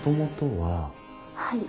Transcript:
はい。